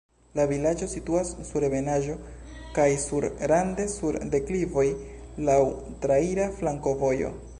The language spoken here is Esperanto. La vilaĝo situas sur ebenaĵo kaj sur rande sur deklivoj, laŭ traira flankovojo.